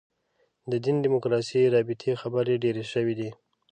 د دین دیموکراسي رابطې خبرې ډېرې شوې دي.